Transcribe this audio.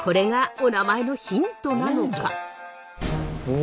お！